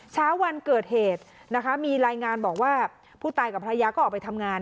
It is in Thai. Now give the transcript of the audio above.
เช้าวันเกิดเหตุนะคะมีรายงานบอกว่าผู้ตายกับภรรยาก็ออกไปทำงาน